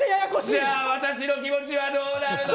じゃあ私の気持ちはどうなるの？